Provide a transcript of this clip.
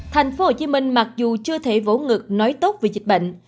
tp hcm mặc dù chưa thể vỗ ngược nói tốt về dịch bệnh